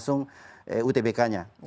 tentang koleksi budaya si orang lembaga